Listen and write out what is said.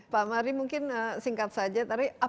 pak mari mungkin singkat saja